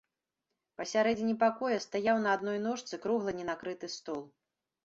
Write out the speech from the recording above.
Пасярэдзіне пакоя стаяў на адной ножцы круглы ненакрыты стол.